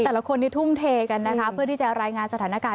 แต่ละคนที่ทุ่มเทกันนะคะเพื่อที่จะรายงานสถานการณ์